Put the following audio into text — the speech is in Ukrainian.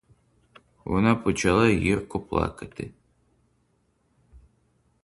Вона почала гірко плакати.